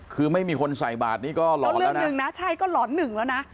คือไม่มีคนใส่บาทนี่ก็หลอนแล้วนะหนึ่งนะใช่ก็หลอนหนึ่งแล้วนะ